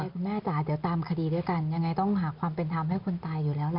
คุณแม่จ๋าเดี๋ยวตามคดีด้วยกันยังไงต้องหาความเป็นธรรมให้คนตายอยู่แล้วล่ะ